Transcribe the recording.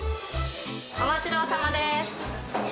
お待ちどおさまです。